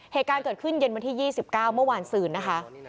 เหตุการณ์เกิดขึ้นเย็นวันที่๒๙เมื่อวานซืนนะคะ